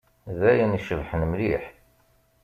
D ayen icebḥen mliḥ.